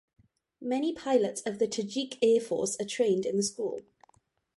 Many pilots of the Tajik Air Force are trained in the school.